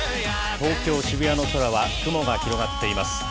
東京・渋谷の空は、雲が広がっています。